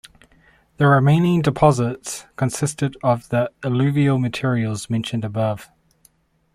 The remaining deposits consisted of the alluvial materials mentioned above.